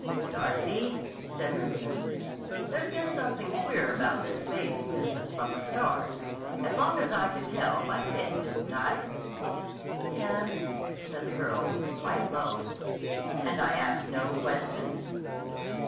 "Darcy," said Remsen, "there's been something queer about this Veyze business from the start. As long as I could help I did, didn't I?" "Yes," said the girl quite low. "And I asked no questions?"